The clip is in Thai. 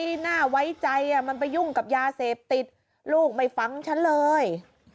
ที่น่าไว้ใจมันไปยุ่งกับยาเสพติดลูกไม่ฟังฉันเลย